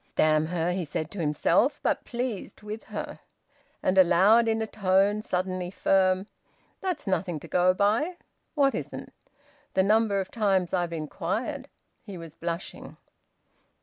"Damn her!" he said to himself, but pleased with her. And aloud, in a tone suddenly firm, "That's nothing to go by." "What isn't?" "The number of times I've inquired." He was blushing.